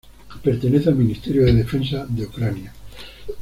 Pertenece al Ministerio de Defensa de Ucrania.